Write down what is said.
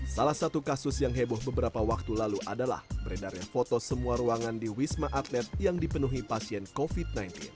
salah satu kasus yang heboh beberapa waktu lalu adalah beredarnya foto semua ruangan di wisma atlet yang dipenuhi pasien covid sembilan belas